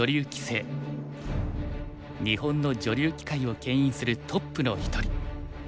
日本の女流棋界をけん引するトップの一人。